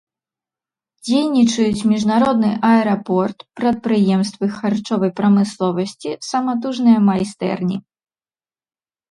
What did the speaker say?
Дзейнічаюць міжнародны аэрапорт, прадпрыемствы харчовай прамысловасці, саматужныя майстэрні.